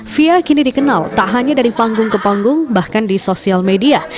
fia kini dikenal tak hanya dari panggung ke panggung bahkan di sosial media